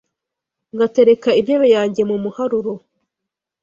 Ngatereka intebe yanjye mu muharuro,